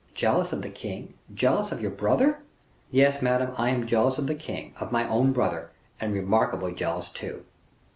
"Jealous of the king jealous of your brother?" "Yes, madame, I am jealous of the king of my own brother, and remarkably jealous, too."